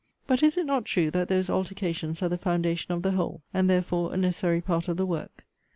But is it not true, that those altercations are the foundation of the whole, and therefore a necessary part of the work?